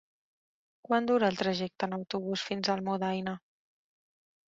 Quant dura el trajecte en autobús fins a Almudaina?